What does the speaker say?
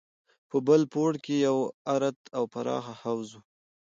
په بل پوړ کښې يو ارت او پراخ حوض و.